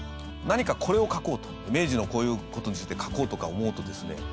何かこれを書こうと明治のこういう事について書こうとか思うとですね